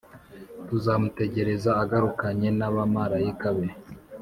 Tuzamutegereza agarukanye n’abamarayika be